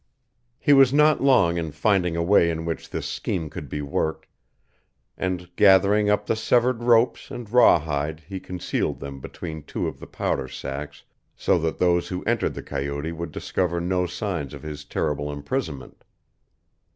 He was not long in finding a way in which this scheme could be worked, and gathering up the severed ropes and rawhide he concealed them between two of the powder sacks so that those who entered the coyote would discover no signs of his terrible imprisonment.